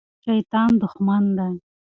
شیطان دښمن دی.